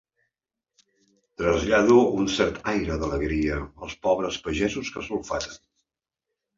Trasllado un cert aire d'alegria als pobres pagesos que sulfaten.